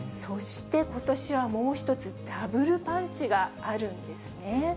そしてことしはもう１つ、ダブルパンチがあるんですね。